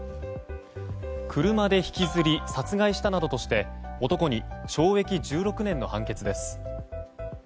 車で引きずり殺害したなどとして男に懲役１６年の判決です。